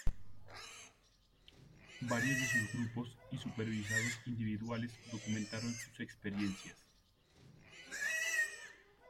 Varios de sus grupos y supervisados individuales documentaron sus experiencias.